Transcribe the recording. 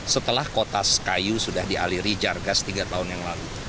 setelah kota skyu sudah dialiri jar gas tiga tahun yang lalu